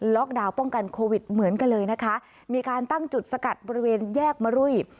ดาวน์ป้องกันโควิดเหมือนกันเลยนะคะมีการตั้งจุดสกัดบริเวณแยกมรุย